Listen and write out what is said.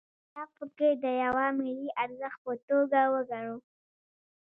اختلاف پکې د یوه ملي ارزښت په توګه وګڼو.